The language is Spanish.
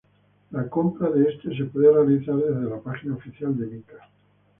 La compra de este se puede realizar desde la página oficial de Mika.